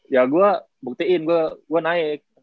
ya gue buktiin gue naik